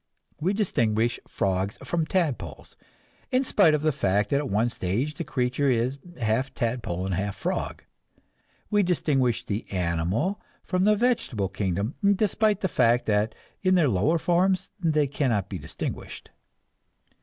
We distinguish frogs from tadpoles, in spite of the fact that at one stage the creature is half tadpole and half frog. We distinguish the animal from the vegetable kingdom, despite the fact that in their lower forms they cannot be distinguished.